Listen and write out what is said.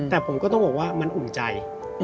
แต่ผมก็ต้องบอกว่ามันอุ่นใจ